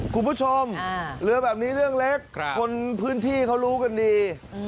กับที่เขารู้กันดี